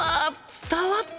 伝わった！